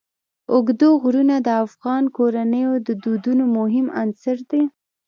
اوږده غرونه د افغان کورنیو د دودونو مهم عنصر دی.